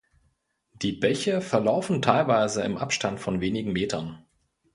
Die Bäche verlaufen teilweise im Abstand von wenigen Metern.